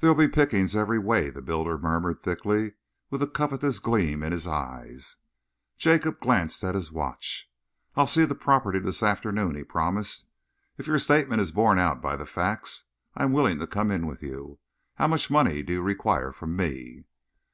"There'll be pickings every way," the builder murmured thickly, with a covetous gleam in his eyes. Jacob glanced at his watch. "I'll see the property this afternoon," he promised. "If your statement is borne out by the facts, I am willing to come in with you. How much money do you require from me?"